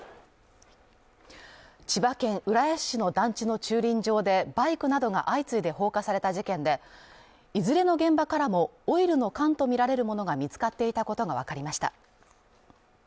千葉県浦安市の団地の駐輪場で、バイクなどが相次いで放火された事件で、いずれの現場からもオイルの缶とみられるものが見つかっていたことがわかりました。